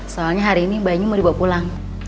soalnya hari ini bayinya mau dibawa pulang